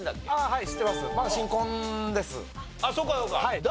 はい。